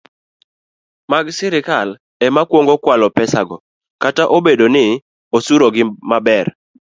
mag sirkal ema kwongo kwalo pesago, kata obedo ni osurogi maber